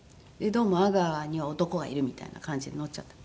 どうも阿川には男がいるみたいな感じで載っちゃった。